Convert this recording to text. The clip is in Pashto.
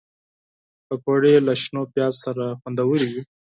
پکورې له شنو پیازو سره خوندورې وي